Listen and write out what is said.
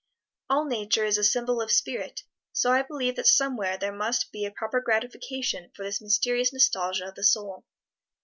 All Nature is a symbol of spirit, so I believe that somewhere there must be a proper gratification for this mysterious nostalgia of the soul.